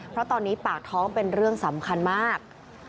เพราะตอนนี้ปากท้องเป็นเรื่องสำคัญมาก